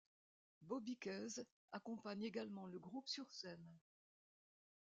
Bobby Keys accompagne également le groupe sur scène.